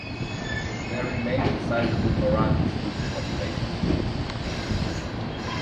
There remains a sizeable Marathi-speaking population.